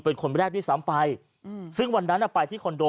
เป็นคนแรกที่สัมไปซึ่งวันนั้นไปที่คอนโด